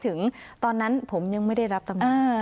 สองสามีภรรยาคู่นี้มีอาชีพ